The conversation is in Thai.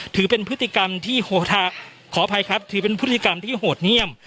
ถือเป็นพฤติกรรมที่โหดเนี่ยม